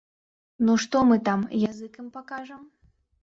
Ну што мы там, язык ім пакажам?